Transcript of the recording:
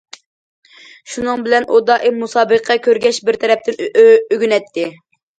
شۇنىڭ بىلەن، ئۇ دائىم مۇسابىقە كۆرگەچ بىر تەرەپتىن ئۆگىنەتتى.